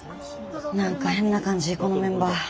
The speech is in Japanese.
何か変な感じこのメンバー。